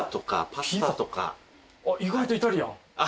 意外とイタリアン。